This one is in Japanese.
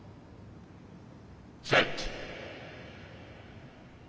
「セット」。